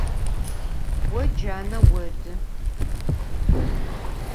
Vo cane vodı.